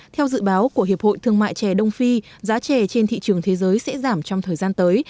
theo dự báo của hiệp hội thương mại trẻ đông phi giá trẻ trên thị trường thế giới sẽ giảm trong thời gian tới